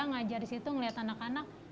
ngajar di situ ngeliat anak anak